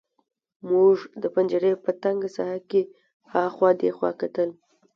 موږ د پنجرې په تنګه ساحه کې هاخوا دېخوا کتل